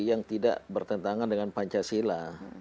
yang tidak bertentangan dengan pancasila